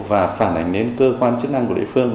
và phản ảnh đến cơ quan chức năng của địa phương